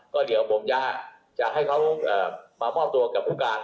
ก็เดี๋ยวผมจะให้เขามามอบตัวกับผู้การ